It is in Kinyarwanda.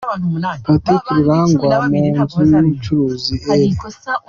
Patrick Rurangwa wo mu nzu y’ubucuruzi "R.